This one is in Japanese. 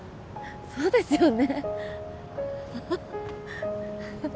そうですよね